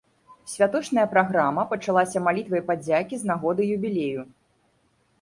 Святочная праграма пачалася малітвай падзякі з нагоды юбілею.